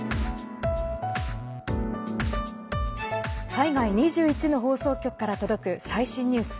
海外２１の放送局から届く最新ニュース。